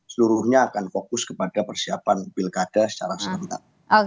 seluruhnya akan fokus kepada persiapan pilkada secara serentak